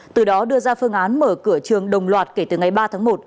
từ đó đưa ra phương án mở cửa trường đồng loạt kể từ ngày ba tháng một